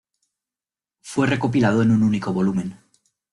Fue recopilado en un único volumen.